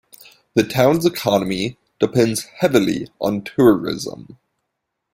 The town's economy depends heavily on tourism.